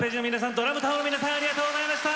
ＤＲＵＭＴＡＯの皆さんありがとうございました。